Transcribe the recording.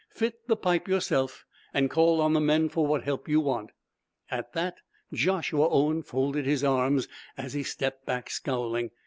"Fit the pipe yourself, and call on the men for what help you want." At that, Joshua Owen folded his arms as he stepped back scowling.